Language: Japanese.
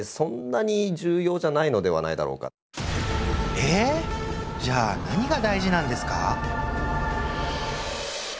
えっじゃあなにが大事なんですか？